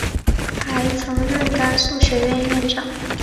还曾任甘肃学院院长。